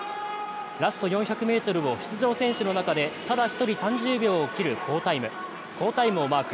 ラスト４００ｍを出場選手の中で、ただ一人、３０秒を切る好タイムをマーク。